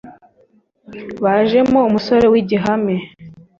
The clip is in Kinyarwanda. Bajemo umusore w’igihame,